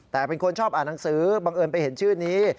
แต่เป็นคนชอบอ่านหนังสือบังเอิญไปเห็นชื่อนี้